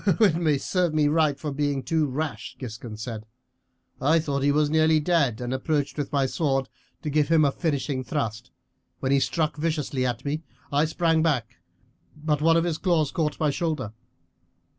"It served me right for being too rash," Giscon said. "I thought he was nearly dead, and approached with my sword to give him a finishing thrust. When he struck viciously at me I sprang back, but one of his claws caught my shoulder.